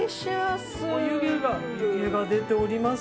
湯気が湯気が出ておりますよ。